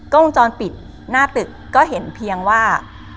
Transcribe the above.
วงจรปิดหน้าตึกก็เห็นเพียงว่า